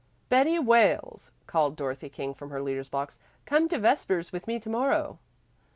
"Betty Wales," called Dorothy King from her leader's box, "come to vespers with me to morrow."